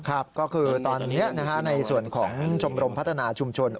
ครับก็คือตอนนี้ในส่วนของชมรมพัฒนาชุมชน